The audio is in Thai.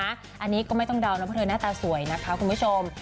อันนี้ก็ไม่ต้องเดานะเพราะเธอหน้าตาสวยนะคะคุณผู้ชม